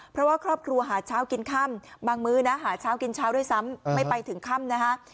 เพราะว่าครอบครัวหาเช้ากินค่ำบางมื้อนะหาเช้ากินเช้าด้วยซ้ำไม่ไปถึงค่ำนะฮะ